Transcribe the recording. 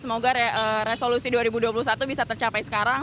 semoga resolusi dua ribu dua puluh satu bisa tercapai sekarang